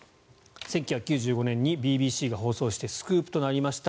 １９９５年にＢＢＣが放送してスクープとなりました